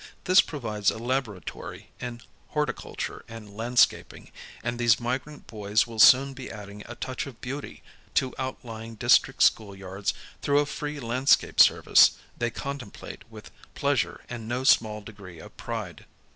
This provides a laboratory in horticulture and landscaping, and these migrant boys will soon be adding a touch of beauty to out lying district school yards through a free landscape service they con template with pleasure and no small degree of pride.